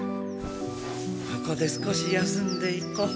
ここで少し休んでいこう。